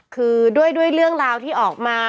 คือด้วยเรื่องราวที่ออกมา